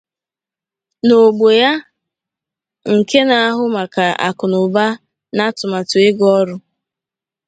na ògbò ya nke na-ahụ maka akụnụba na atụmatụ ego ọrụ